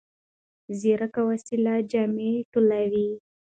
ځیرک وسایل جامې ټولوي.